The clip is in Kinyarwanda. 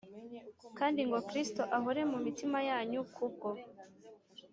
kandi ngo Kristo ahore mu mitima yanyu ku bwo